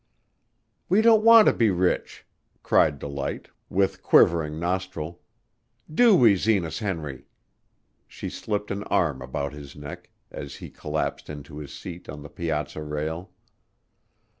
"We don't want to be rich!" cried Delight, with quivering nostril. "Do we, Zenas Henry?" she slipped an arm about his neck as he collapsed into his seat on the piazza rail.